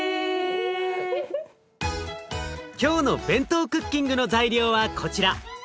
今日のＢＥＮＴＯクッキングの材料はこちら。